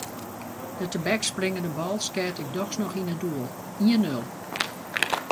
De tebekspringende bal skeat ik dochs noch yn it doel: ien-nul.